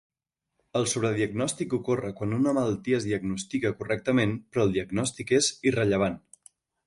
El sobrediagnòstic ocorre quan una malaltia es diagnostica correctament, però el diagnòstic és irrellevant.